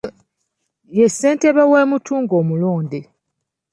Ye ssentebe w’e Mutungo omulonde.